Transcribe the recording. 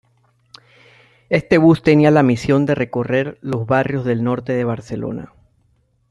Este bus tenía la misión de recorrer los barrios del norte de Barcelona.